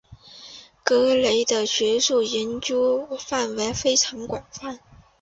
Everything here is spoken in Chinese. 格雷的学术研究范围非常广泛。